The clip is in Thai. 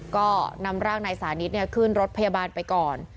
ก็นำร่างนายสานิทขึ้นรถพยาบาลไปก่อน